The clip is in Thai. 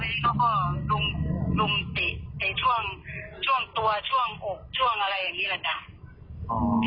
ทีนี้เขาก็ลุมเตะในช่วงช่วงตัวช่วงอกช่วงอะไรอย่างนี้แหละจ้ะ